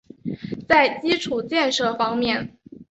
在基础建设方面